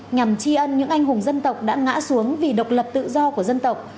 nhằm chi ân những anh hùng dân tộc đã ngã xuống vì độc lập tự do của dân tộc